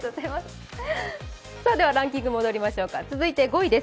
ではランキング戻りましょうか、続いて５位です。